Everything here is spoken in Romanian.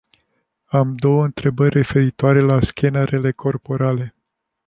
Am două întrebări referitoare la scanerele corporale.